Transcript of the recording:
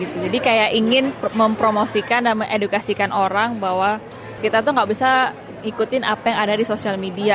jadi kayak ingin mempromosikan dan mengedukasikan orang bahwa kita tuh nggak bisa ikutin apa yang ada di sosial media